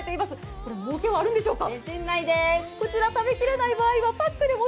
これ、もうけはあるんでしょうか？